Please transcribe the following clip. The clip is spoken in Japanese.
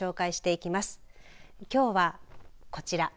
きょうは、こちら。